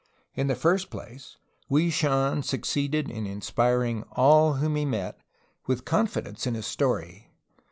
In the first place, Hwui Shan succeeded in inspiring all whom he met with confidence in his story.